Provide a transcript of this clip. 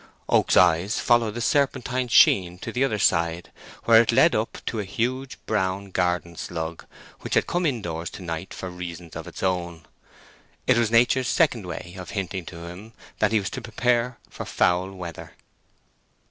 Oak's eyes followed the serpentine sheen to the other side, where it led up to a huge brown garden slug, which had come indoors to night for reasons of its own. It was Nature's second way of hinting to him that he was to prepare for foul weather.